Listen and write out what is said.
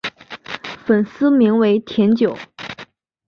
粉丝名为甜酒。